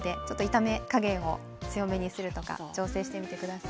炒め加減を強めにするとか調整してみてください。